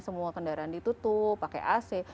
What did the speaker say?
semua kendaraan ditutup pakai ac